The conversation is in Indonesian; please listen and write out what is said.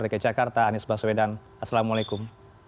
dki jakarta anies baswedan assalamualaikum